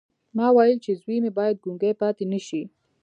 ما ویل چې زوی مې باید ګونګی پاتې نه شي